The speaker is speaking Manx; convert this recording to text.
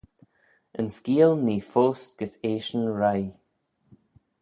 Yn skeeal nee foast gys eashyn roie.